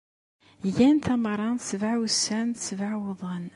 Gan tameɣra n sebεa wussan d sebεa wuḍan.